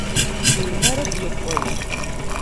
Melmi ara d-yeqqel?